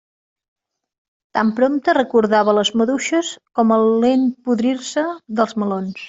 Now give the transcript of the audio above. Tan prompte recordava les maduixes com el lent podrir-se dels melons.